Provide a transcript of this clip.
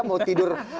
mau tidur lalu